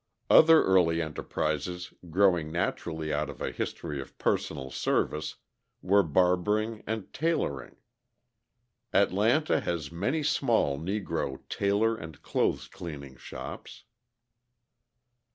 Other early enterprises, growing naturally out of a history of personal service, were barbering and tailoring. Atlanta has many small Negro tailor and clothes cleaning shops.